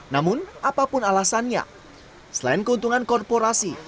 namun apapun alasannya selain keuntungan korporasi